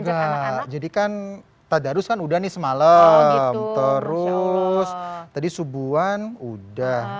enggak jadi kan tadarus kan udah nih semalam terus tadi subuhan udah